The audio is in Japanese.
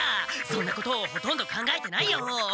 そんなことほとんど考えてないよ！